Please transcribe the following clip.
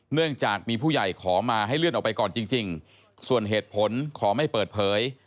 เนื่องจากมีผู้ใหญ่ขอมาให้เลื่อนออกไปก่อนจริงส่วนเหตุผลขอไม่เปิดเผย